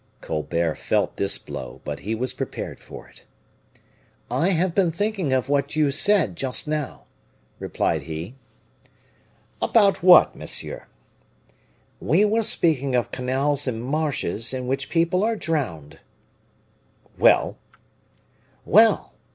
Colbert felt this blow, but he was prepared for it. "I have been thinking of what you said just now," replied he. "About what, monsieur?" "We were speaking of canals and marshes in which people are drowned." "Well!" "Well!